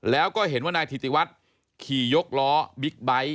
แล้วก็เห็นว่านายถิติวัฒน์ขี่ยกล้อบิ๊กไบท์